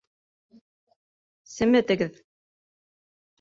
Семетегеҙ!